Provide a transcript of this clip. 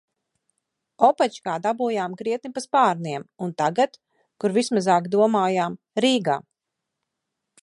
Opočkā dabūjām krietni pa spārniem un tagad, kur vismazāk domājām, Rīgā.